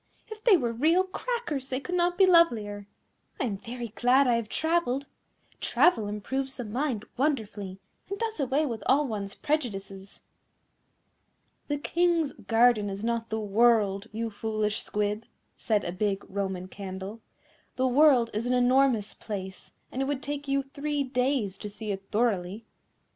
if they were real Crackers they could not be lovelier. I am very glad I have travelled. Travel improves the mind wonderfully, and does away with all one's prejudices." "The King's garden is not the world, you foolish Squib," said a big Roman Candle; "the world is an enormous place, and it would take you three days to see it thoroughly."